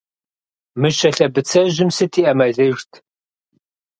Мыщэ лъэбыцэжьым сыт и Ӏэмалыжт?